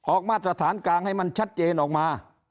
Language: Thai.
มาตรฐานกลางให้มันชัดเจนออกมา